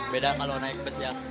beda kalau naik bus ya